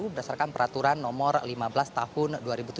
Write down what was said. berdasarkan peraturan nomor lima belas tahun dua ribu tujuh belas